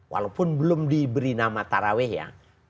walaupun belum diberi nama taraweh ya